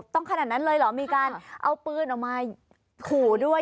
ขนาดนั้นเลยเหรอมีการเอาปืนออกมาขู่ด้วย